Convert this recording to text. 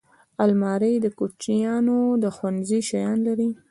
الماري د کوچنیانو د ښوونځي شیان لري